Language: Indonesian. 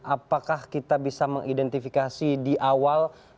apakah kita bisa mengidentifikasi di awal